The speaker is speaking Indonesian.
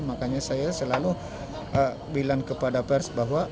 makanya saya selalu bilang kepada pers bahwa